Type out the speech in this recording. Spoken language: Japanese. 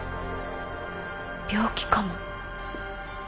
病気かも。